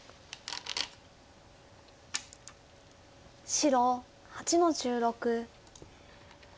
白８の十六。